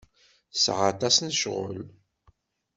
Tesɛa aṭas n ccɣel.